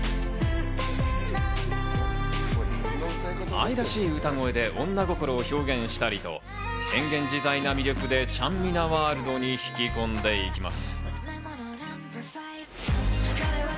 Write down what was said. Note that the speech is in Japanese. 愛らしい歌声で女心を表現したりと変幻自在な魅力で、ちゃんみなワールドに引き込んでいきます。